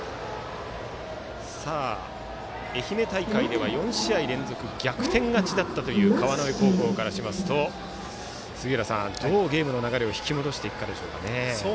愛媛大会では４試合連続逆転勝ちだったという川之江高校からしますとどうゲームの流れを引き戻していくかですね。